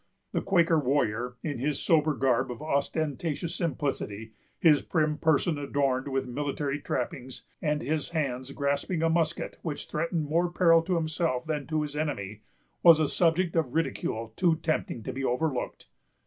The Quaker warrior, in his sober garb of ostentatious simplicity, his prim person adorned with military trappings, and his hands grasping a musket which threatened more peril to himself than to his enemy, was a subject of ridicule too tempting to be overlooked.